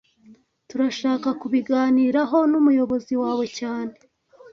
Turashaka kubiganiraho numuyobozi wawe cyane